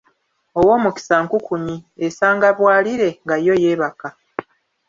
Ow'omukisa nkukunyi, esanga bwalire nga yo yeebaka!